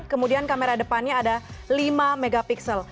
kemudian kamera depannya ada lima mp